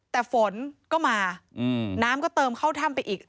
แต่ฝนก็มาน้ำก็เติมเข้าถ้ำไปอีก